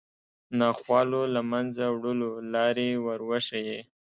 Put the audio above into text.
ناخوالو له منځه وړلو لارې وروښيي